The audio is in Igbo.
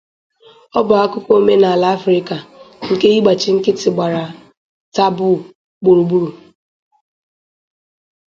Ọ bụ akụkọ omenala Afrịka nke ịgbachi nkịtị gbara tabu gburugburu.